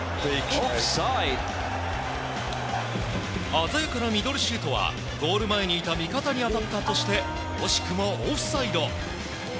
鮮やかなミドルシュートはゴール前にいた味方に当たったとして惜しくもオフサイド。